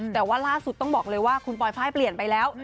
แต่ว่าล่าสุดต้องบอกเลยว่าคุณปลอยไฟล์เปลี่ยนไปแล้ว